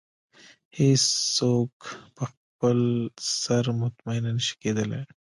هېڅ څوک په خپل سر مطمئنه نه شي کېدلی.